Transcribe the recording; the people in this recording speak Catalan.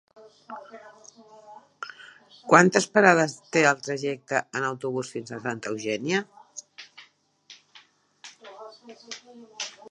Quantes parades té el trajecte en autobús fins a Santa Eugènia?